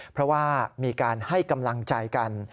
เพราะว่ามีการให้กำลังใจกัน